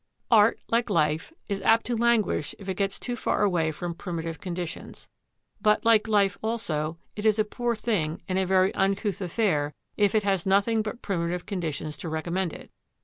Art, like life, is apt to languish if it gets too far away from primitive conditions. But, like life also, it is a poor thing and a very uncouth affair if it has nothing but primitive conditions to recommend it.